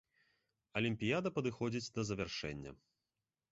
Алімпіяда падыходзіць да завяршэння.